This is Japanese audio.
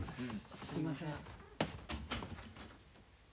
すいません。